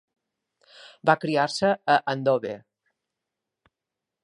Va criar-se a Andover.